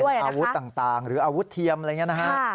เป็นอาวุธต่างหรืออาวุธเทียมอะไรอย่างนี้นะฮะ